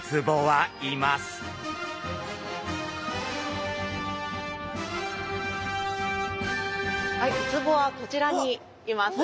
はいウツボはこちらにいます。